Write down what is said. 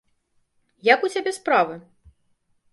Як у цябе справы?